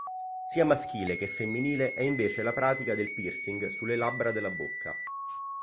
Sia maschile che femminile è invece la pratica del piercing sulle labbra della bocca.